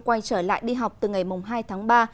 quay trở lại đi học từ ngày hai tháng ba